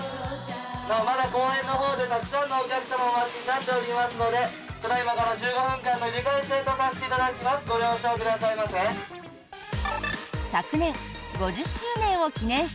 まだ公園のほうでたくさんのお客様お待ちになっておりますのでただ今から１５分間のお時間制とさせていただきます。